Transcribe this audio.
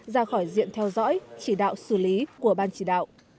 ra khỏi diện theo dõi chỉ đạo xử lý của ban chỉ đạo